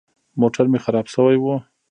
موټر مې خراب سوى و.